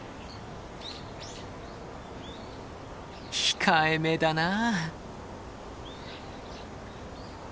控えめだな。